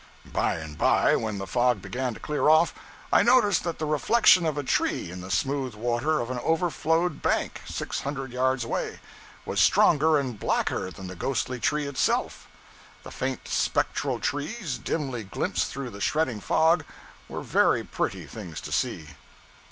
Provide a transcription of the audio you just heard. By and by, when the fog began to clear off, I noticed that the reflection of a tree in the smooth water of an overflowed bank, six hundred yards away, was stronger and blacker than the ghostly tree itself. The faint spectral trees, dimly glimpsed through the shredding fog, were very pretty things to see.